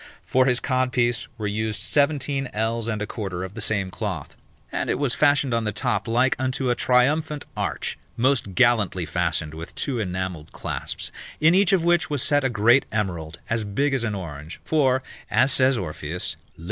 For his codpiece were used sixteen ells and a quarter of the same cloth, and it was fashioned on the top like unto a triumphant arch, most gallantly fastened with two enamelled clasps, in each of which was set a great emerald, as big as an orange; for, as says Orpheus, lib.